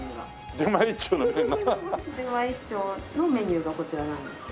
出前一丁のメニューがこちらなんですけど。